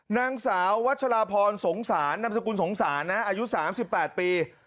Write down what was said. นางสาววัชราพรสงสารนามสกุลสงสารนะอายุ๓๘ปี